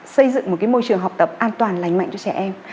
xây dựng một môi trường học tập an toàn lành mạnh cho trẻ em